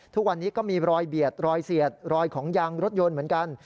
ทุกวันนี้ก็มีรอยเบียดรอยเสียดรอยของยางรถยนต์เหมือนกัน